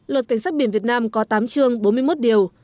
luật cảnh sát biển việt nam có tám chương bốn mươi một điều